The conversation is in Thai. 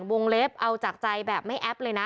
วงเล็บเอาจากใจแบบไม่แอปเลยนะ